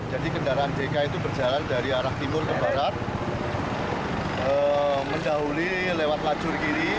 jadi kendaraan jk itu berjalan dari arah timur ke barat mendahuli lewat lajur kiri